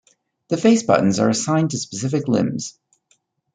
The face buttons are assigned to specific limbs.